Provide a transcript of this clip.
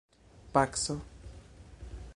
paco